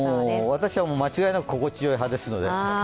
私は間違いなく心地よい派ですので。